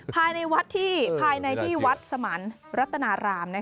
ภายในวัดที่ภายในที่วัดสมันรัตนาราม